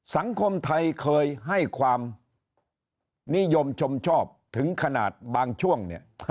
สังคมไทยเคยให้ความนิยมชมชอบถึงขนาดบางช่วงเนี่ย